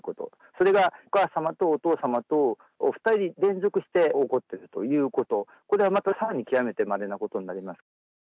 それがお母様とお父様とお２人連続して起こっているということ、これはまたさらに極めてまれなことになります。